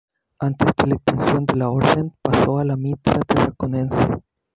Antes de la extinción de la orden pasó a la mitra tarraconense.